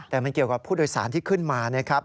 แต่มันเกี่ยวกับผู้โดยสารที่ขึ้นมานะครับ